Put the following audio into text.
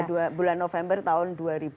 iya bulan november tahun dua ribu dua puluh dua